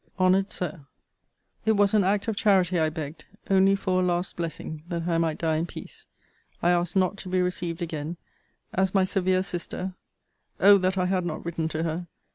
HONOURED SIR, It was an act of charity I begged: only for a last blessing, that I might die in peace. I ask not to be received again, as my severe sister [Oh! that I had not written to her!